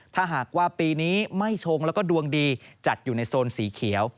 ถ้าหากว่าปีนี้ไม่ชงแล้วก็ดวงดีจัดอยู่ในโซนสีเขียว